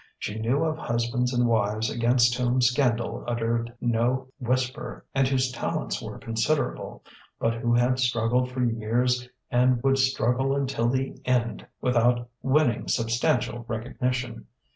She knew of husbands and wives against whom scandal uttered no whisper and whose talents were considerable, but who had struggled for years and would struggle until the end without winning substantial recognition.